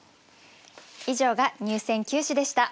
以上が入選九首でした。